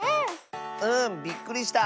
うん。びっくりした！